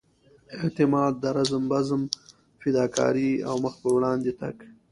اعتماد رزم بزم فداکارۍ او مخ پر وړاندې تګ.